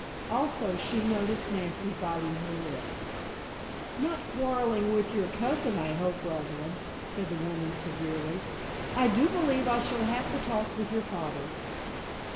Also, she noticed Nancy biting her lip. "Not quarreling with your cousin, I hope, Rosalind," said the woman severely. "I do believe I shall have to have a talk with your father."